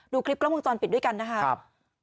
ดูคลิปกล้องมือจอนปิดด้วยกันนะฮะครับ